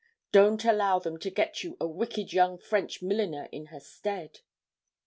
Don't allow them to get you a wicked young French milliner in her stead.'